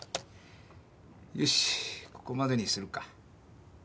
よしここまでにするか。